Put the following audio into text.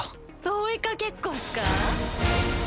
追いかけっこっすかぁ？